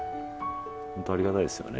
本当ありがたいですよね。